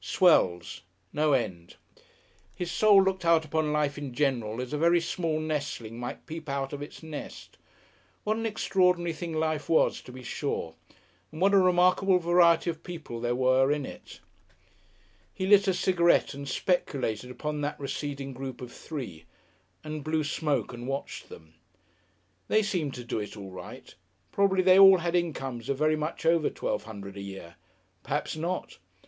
Swells! No end.... His soul looked out upon life in general as a very small nestling might peep out of its nest. What an extraordinary thing life was, to be sure, and what a remarkable variety of people there were in it! He lit a cigarette and speculated upon that receding group of three, and blew smoke and watched them. They seemed to do it all right. Probably they all had incomes of very much over twelve hundred a year. Perhaps not.